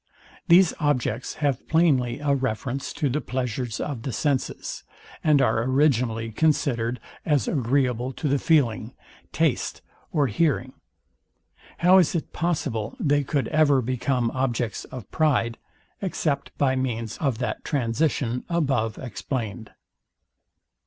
These objects have plainly a reference to the pleasures of the senses, and are originally considered as agreeable to the feeling, taste or hearing. How is it possible they could ever become objects of pride, except by means of that transition above explained?